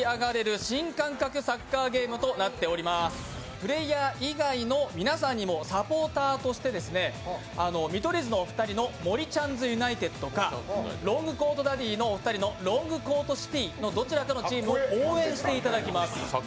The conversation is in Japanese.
プレーヤー以外の皆さんにもサポーターとして見取り図のお二人のもりちゃんずユナイテッドか、ロングコートダディのお二人のロングコートシティどちらかのチームを応援していただきます。